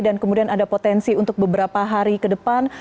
dan kemudian ada potensi untuk beberapa hari ke depan